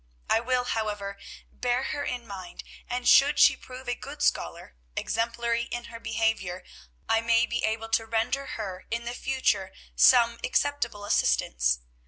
I will, however, bear her in mind; and should she prove a good scholar, exemplary in her behavior, I may be able to render her in the future some acceptable assistance.